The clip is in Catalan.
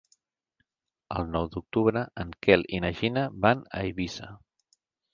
El nou d'octubre en Quel i na Gina van a Eivissa.